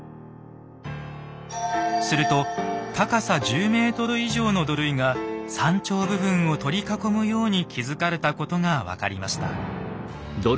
すると高さ１０ｍ以上の土塁が山頂部分を取り囲むように築かれたことが分かりました。